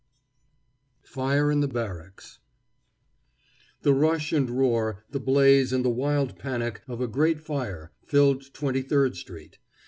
FIRE IN THE BARRACKS The rush and roar, the blaze and the wild panic, of a great fire filled Twenty third street.